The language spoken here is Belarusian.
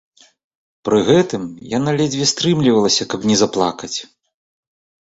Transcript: Пры гэтым яна ледзьве стрымлівалася, каб не заплакаць.